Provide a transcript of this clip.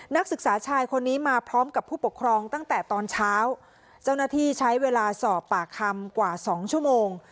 นักศึกษาชายคนนี้มาพร้อมกับผู้ปกครองตั้งแต่ตอนเช้าเจ้าหน้าที่ใช้เวลาสอบปากคำกว่าสองชั่วโมง